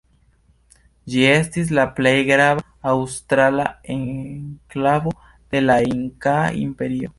Ĝi estis la plej grava aŭstrala enklavo de la Inkaa imperio.